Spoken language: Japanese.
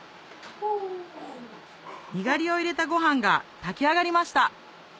にがりを入れたご飯が炊き上がりました